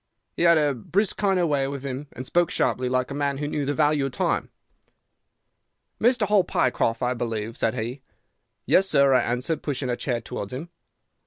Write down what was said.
He had a brisk kind of way with him and spoke sharply, like a man who knew the value of time." "'Mr. Hall Pycroft, I believe?'" said he. "'Yes, sir,' I answered, pushing a chair towards him.